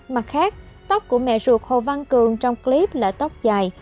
mặt khác tóc của mẹ ruột hồ văn cường trong clip lại tóc dài